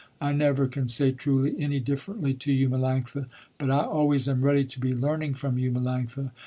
I never can say truly any differently to you Melanctha, but I always am ready to be learning from you, Melanctha.